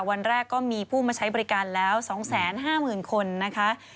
วันแรกก็มีผู้มาใช้บริการแล้ว๒๕๐๐๐คนนะคะ